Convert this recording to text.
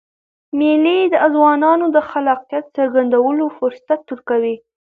مېلې د ځوانانو د خلاقیت څرګندولو فرصت ورکوي.